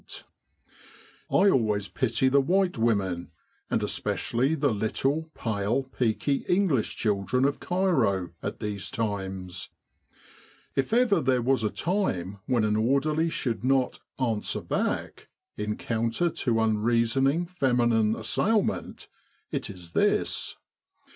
Q 245 With the R.A.M.C. in Egypt 1 always pity the white women, and especially the little, pale, peaky English children of Cairo at these times. If ever there was a time when an orderly should not * answer back ' in counter to unreasoning feminine assailment, it is this.